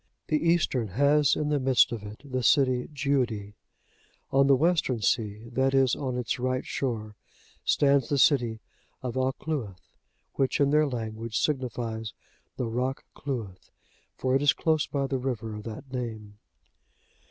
The eastern has in the midst of it the city Giudi.(74) On the Western Sea, that is, on its right shore, stands the city of Alcluith,(75) which in their language signifies the Rock Cluith, for it is close by the river of that name.